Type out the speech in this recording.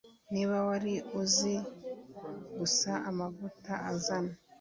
Niba wari uzi gusa amavuta azana